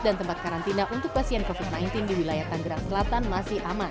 dan tempat karantina untuk pasien covid sembilan belas di wilayah tanggerang selatan masih aman